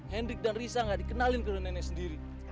hendrik dan risa gak dikenalin ke nenek sendiri